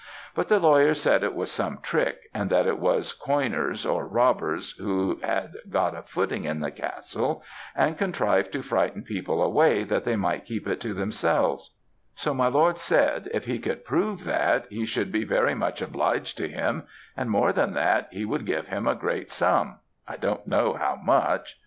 But the lawyer said it was some trick, and that it was coiners, or robbers, who had got a footing in the castle, and contrived to frighten people away that they might keep it to themselves; so my lord said if he could prove that he should be very much obliged to him, and more than that, he would give him a great sum I don't know how much.